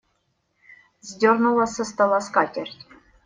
Сдернула со стола скатерть.